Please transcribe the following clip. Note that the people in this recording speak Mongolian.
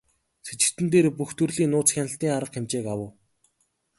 Сэжигтэн дээр бүх төрлийн нууц хяналтын арга хэмжээг авав.